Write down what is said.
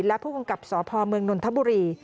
และผู้กำกับสพเมืองนนทบุรี